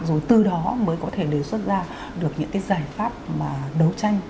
rồi từ đó mới có thể đề xuất ra được những cái giải pháp mà đấu tranh